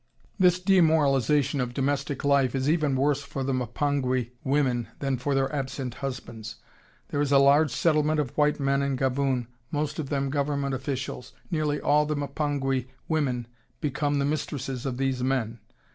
This demoralization of domestic life is even worse for the Mpongwe women than for their absent husbands. There is a large settlement of white men in Gaboon, most of them government officials.... Nearly all the Mpongwe women become the mistresses of these men....